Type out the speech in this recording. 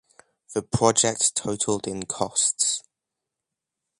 The project totaled in costs.